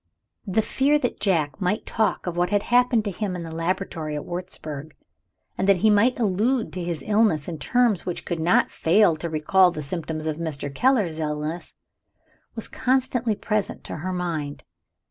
The fear that Jack might talk of what had happened to him in the laboratory at Wurzburg, and that he might allude to his illness in terms which could not fail to recall the symptoms of Mr. Keller's illness, was constantly present to her mind.